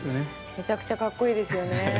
めちゃくちゃ格好いいですよね。